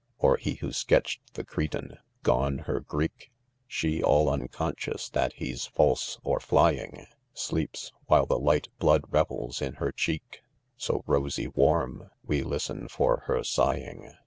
' Or he who sketched the Cretan ; gone her Greek ; She, all unconscious that he's false or flying,, Sleeps, while the light Mood revels in her cheek So rosy warm, we' listen for her' sighing.